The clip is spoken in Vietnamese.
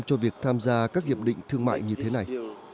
cho việc tham gia các hiệp định thương mại như thế này